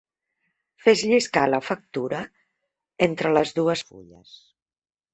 Fes lliscar la factura entre les dues fulles.